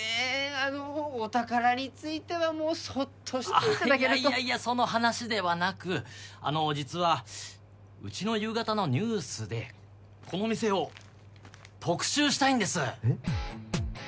あのお宝についてはもうそっとしていただけるといやいやいやその話ではなくあの実はうちの夕方のニュースでこの店を特集したいんですえっ？